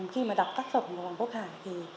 khi mà đọc tác phẩm của hoàng quốc hải